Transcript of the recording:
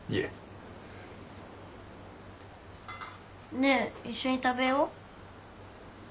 ねえ一緒に食べよ。